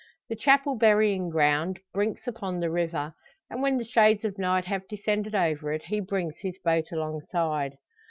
The chapel burying ground brinks upon the river, and when the shades of night have descended over it, he brings his boat alongside.